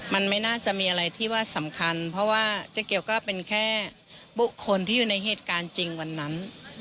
มันไม่น่าจะมีอะไรที่ว่าสำคัญเพราะว่าเจ๊เกียวก็เป็นแค่บุคคลที่อยู่ในเหตุการณ์จริงวันนั้น